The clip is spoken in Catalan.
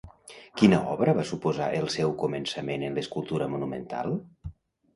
Quina obra va suposar el seu començament en l'escultura monumental?